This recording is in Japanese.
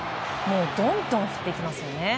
どんどん振っていきますよね。